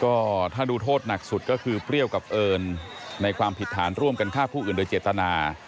ก็ถ้าดูโทษหนักสุดก็คือเปรี้ยวกับเอิญในความผิดฐานร่วมกันฆ่าผู้อื่นโดยเจตนา